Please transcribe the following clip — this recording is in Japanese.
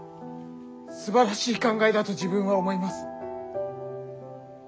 すばらしい考えだと自分は思います。